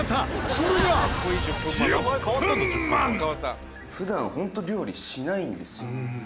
それが「普段本当料理しないんですよ」